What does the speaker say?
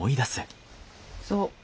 そう。